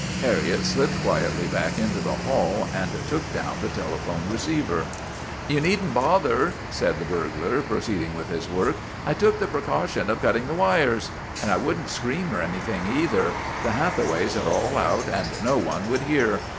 Harriet slipped quietly back into the hall and took down the telephone re ceiver. " You need n't bother," said the burglar, proceed ing with his work. " I took the precaution of cut ting the wires. And I would n't scream or anything, either. The Hathaways are all out and no one would hear.